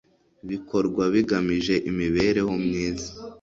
bikorwa bigamije imibereho myiza